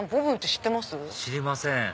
知りません